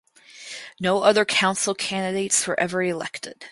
No other Council candidates were ever elected.